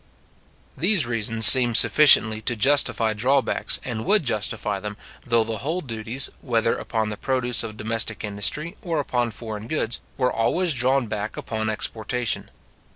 These reasons seem sufficiently to justify drawbacks, and would justify them, though the whole duties, whether upon the produce of domestic industry or upon foreign goods, were always drawn back upon exportation.